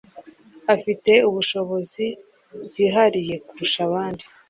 Afite ubushobozi byihariye kurusha abandi